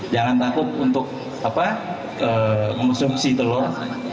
jangan takut untuk mengusung si telur